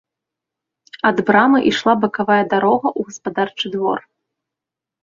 Ад брамы ішла бакавая дарога ў гаспадарчы двор.